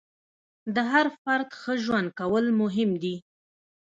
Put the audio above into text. د هر فرد ښه ژوند کول مهم دي.